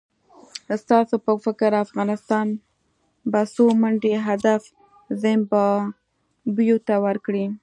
ستاسو په فکر افغانستان به څو منډي هدف زیمبابوې ته ورکړي؟